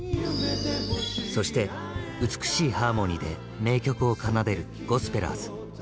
そして美しいハーモニーで名曲を奏でるゴスペラーズ。